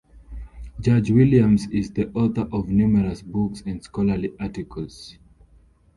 Judge Williams is the author of numerous books and scholarly articles.